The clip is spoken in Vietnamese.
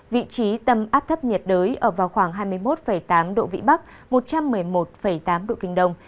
vị trí tâm áp thấp nhiệt đới ở vào khoảng hai mươi một tám độ vĩ bắc một trăm một mươi một tám độ kinh đông